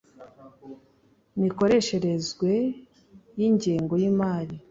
mikoresherezwe y ingengo y imari